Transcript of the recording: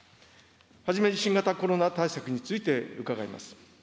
初めに新型コロナ対策について伺います。